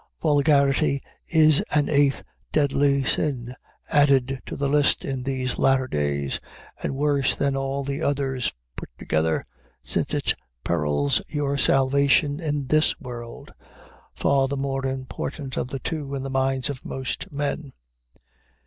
Vulgarity is an eighth deadly sin, added to the list in these latter days, and worse than all the others put together, since it perils your salvation in this world, far the more important of the two in the minds of most men.